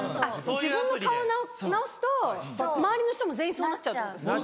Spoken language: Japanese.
自分の顔を直すと周りの人も全員そうなっちゃうってことですか。